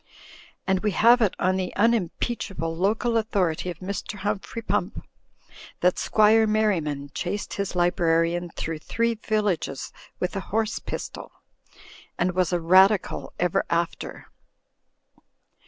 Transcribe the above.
And we have it on the unimpeachable local authority of Mr. Humphrey Pump that Squire Merriman chased his librarian through three villages with a horse pistol ; and was a Radical ever after.